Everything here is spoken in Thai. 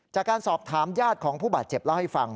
จากการสอบถามญาติของผู้บาดเจ็บเล่าให้ฟัง